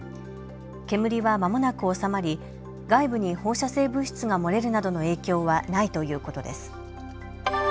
煙はまもなく収まり、外部に放射性物質が漏れるなどの影響はないということです。